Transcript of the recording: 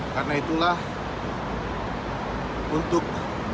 karena itulah untuk